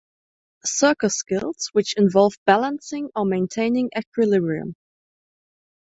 Circus skills which involve balancing or maintaining equilibrium.